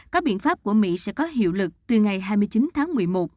các biện pháp của mỹ sẽ có hiệu lực từ ngày hai mươi chín tháng một mươi một